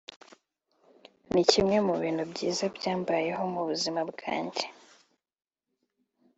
ni kimwe mu bintu byiza byambayeho mu buzima bwanjye